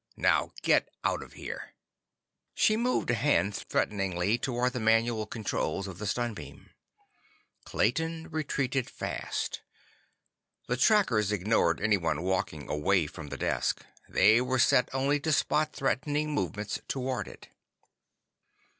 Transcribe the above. _ Now get out of here!" She moved a hand threateningly toward the manual controls of the stun beam. Clayton retreated fast. The trackers ignored anyone walking away from the desk; they were set only to spot threatening movements toward it.